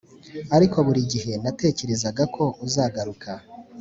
ariko buri gihe natekerezaga ko uzagaruka